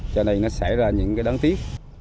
cho nên nó xảy ra những đáng tiếc